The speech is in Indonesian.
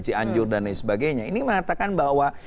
cianjur dan lain sebagainya ini mengatakan bahwa